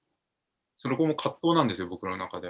そこも葛藤なんですよ、僕の中で。